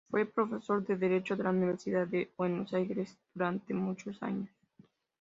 Fue profesor de derecho de la Universidad de Buenos Aires durante muchos años.